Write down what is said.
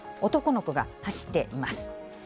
男の子が走っています。